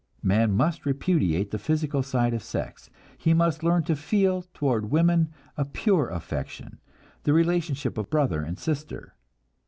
Man must repudiate the physical side of sex, he must learn to feel toward women a "pure" affection, the relationship of brother and sister.